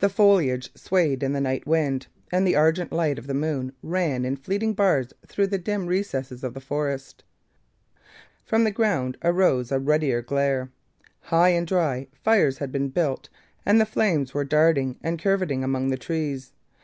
The foliage swayed in the night wind, and the argent light of the moon ran in fleeting bars through the dim recesses of the forest. From the ground arose a ruddier glare. High and dry, fires had been built and the flames were darting and curvetting among the trees.